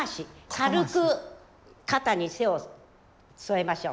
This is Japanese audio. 軽く肩に手を添えましょう。